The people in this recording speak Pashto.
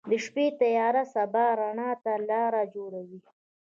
• د شپې تیاره د سبا رڼا ته لاره جوړوي.